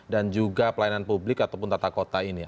dan juga pelayanan publik ataupun tata kota ini